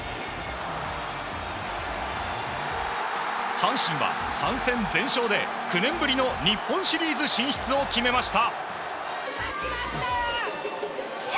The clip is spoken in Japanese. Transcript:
阪神は３戦全勝で９年ぶりの日本シリーズ進出を決めました。